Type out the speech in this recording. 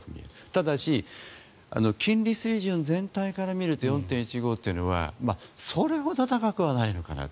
ただし、金利水準全体から見ると４．１５というのはそれほど高くはないのかなと。